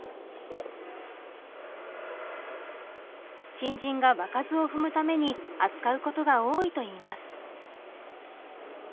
新人が場数を踏むために扱うことが多いといいます。